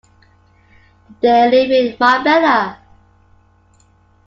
They live in Marbella.